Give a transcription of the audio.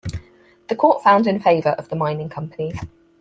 The Court found in favour of the mining companies.